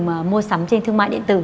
mua sắm trên thương mại điện tử